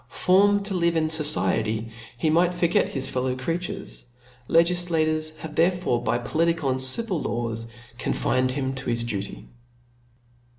Formed to live in fociety, he might forget his fel low creatures ; legiflatures have therefore by poli tical and civil laws confined him to his duty.